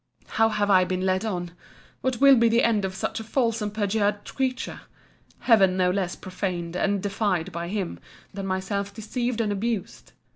How have I been led on!—What will be the end of such a false and perjured creature! Heaven not less profaned and defied by him than myself deceived and abused!